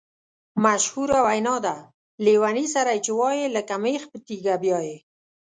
مشهوره وینا ده: لېوني سره یې چې وایې لکه مېخ په تیګه بیایې.